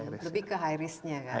lebih ke high risknya kan